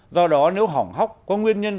do đó nếu hỏng hóc có nguyên nhân